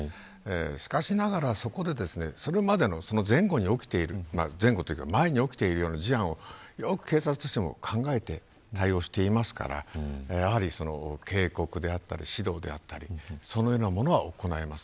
しかしながら、そこでそれまでの前後に起きている事案をよく警察としても考えて対応していますから警告であったり指導であったりそのようなものを行います。